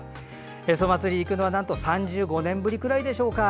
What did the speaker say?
へそお祭りに行くのは３５年ぶりくらいでしょうかね。